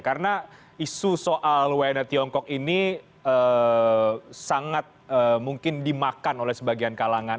karena isu soal wnr tiongkok ini sangat mungkin dimakan oleh sebagian kalangan